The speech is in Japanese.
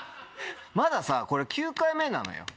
まださこれ９回目なのよ。